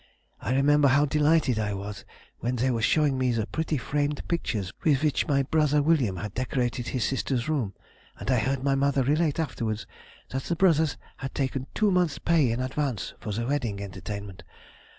I remember how delighted I was when they were showing me the pretty framed pictures with which my brother William had decorated his sister's room, and heard my mother relate afterwards, that the brothers had taken two months' pay in advance for the wedding entertainment....